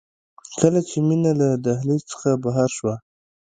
کله چې مينه له دهلېز څخه بهر شوه.